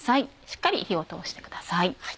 しっかり火を通してください。